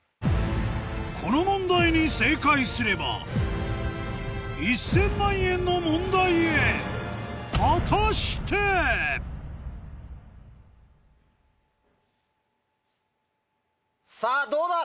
この問題に正解すれば１０００万円の問題へ果たして⁉さぁどうだ？